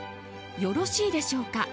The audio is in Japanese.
「よろしいでしょうか」